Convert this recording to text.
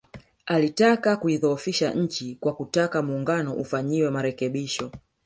Alitaka kuidhoofisha nchi kwa kutaka Muungano ufanyiwe marekebisho